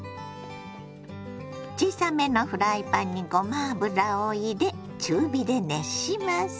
小さめのフライパンにごま油を入れ中火で熱します。